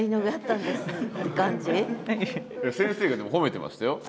先生がでも褒めてましたよ。